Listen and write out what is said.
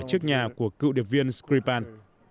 trước nhà của cựu điệp viên skripal